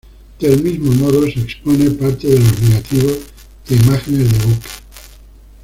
Del mismo modo, se expone parte de los negativos de imágenes de buques.